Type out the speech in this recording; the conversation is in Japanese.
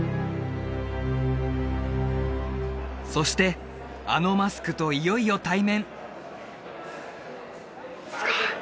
そしてあのマスクといよいよ対面すごい